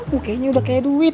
oh kayaknya udah kayak duit